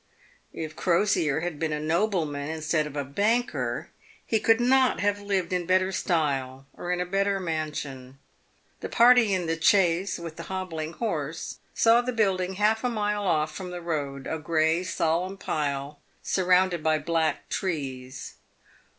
I£ Crosier had been a nobleman instead of a banker he could 'not have lived in better style or in a better mansion. The party in the chaise with the hobbling horse saw the building half a mile off from the road, a grey, solemn pile, surrounded by black trees.